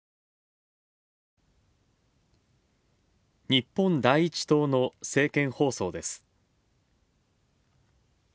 日本第一党の政見放送です。